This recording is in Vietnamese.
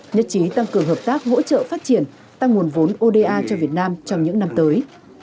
nhất trí tăng cường hợp tác hỗ trợ phát triển tăng nguồn vốn oda cho việt nam trong những năm tới